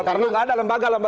karena tidak ada lembaga